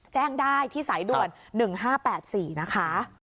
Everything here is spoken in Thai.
แจ้งได้ที่สายด่วน๑๕๘๔นะคะ